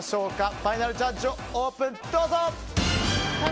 ファイナルジャッジをオープン！